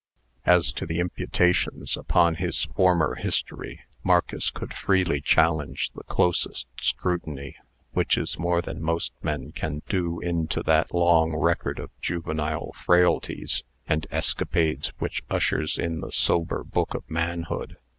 As to the imputations upon his former history, Marcus could freely challenge the closest scrutiny; which is more than most men can do into that long record of juvenile frailties and escapades which ushers in the sober book of manhood.